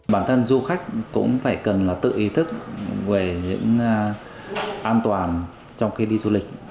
bản thân du khách cũng phải cần là tự ý thức về những an toàn trong khi đi du lịch